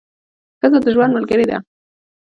ښځه د ژوند ملګرې ده.